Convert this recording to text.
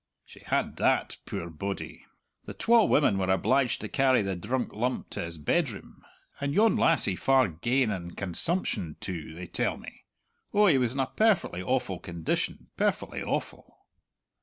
She had that, puir body! The twa women were obliged to carry the drunk lump to his bedroom and yon lassie far ga'en in consumption, too, they tell me! Ou, he was in a perfectly awful condition perfectly awful!"